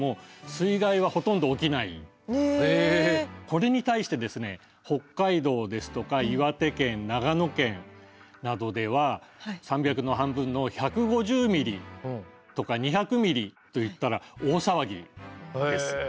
これに対して北海道ですとか岩手県長野県などでは３００の半分の１５０ミリとか２００ミリと言ったら大騒ぎです。